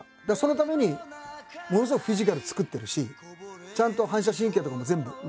だからそのためにものすごいフィジカル作ってるしちゃんと反射神経とかも全部。